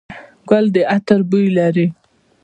ګل د عطر بوی لري.